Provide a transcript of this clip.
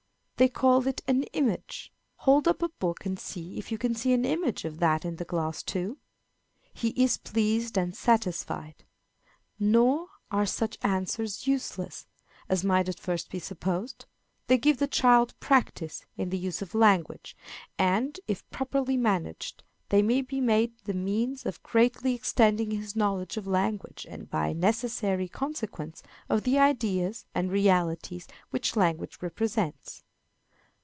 They call it an image. Hold up a book and see if you can see an image of that in the glass too." He is pleased and satisfied. Nor are such answers useless, as might at first be supposed. They give the child practice in the use of language, and, if properly managed, they may be made the means of greatly extending his knowledge of language and, by necessary consequence, of the ideas and realities which language represents.